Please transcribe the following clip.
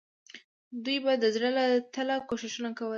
دوی به د زړه له تله کوښښونه کول.